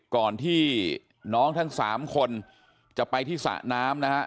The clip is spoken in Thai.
ก่อนที่น้องทั้ง๓คนจะไปที่สระน้ำนะฮะ